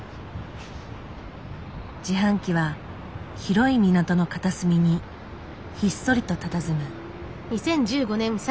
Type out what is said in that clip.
自販機は広い港の片隅にひっそりとたたずむ。